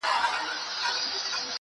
په شاعرۍ کي رياضت غواړمه.